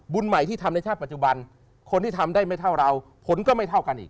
ใหม่ที่ทำในชาติปัจจุบันคนที่ทำได้ไม่เท่าเราผลก็ไม่เท่ากันอีก